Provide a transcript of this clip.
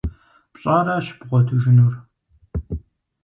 Пщӏаращ бгъуэтыжынур.